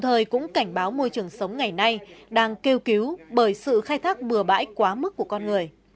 môi trường sống ngày nay đang kêu cứu bởi sự khai thác bừa bãi quá mức của con người